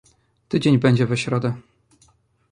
"Tydzień będzie we środę..."